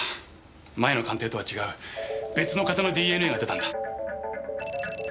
前の鑑定とは違う別の型のＤＮＡが出たんだ。